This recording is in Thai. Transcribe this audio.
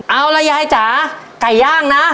เอาละยายจ๋าไก่ย่างนะ